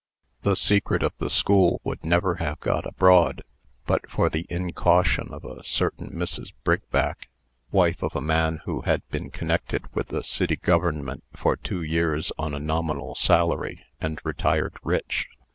The secret of the school would never have got abroad, but for the incaution of a certain Mrs. Brigback (wife of a man who had been connected with the City Government for two years on a nominal salary, and retired rich).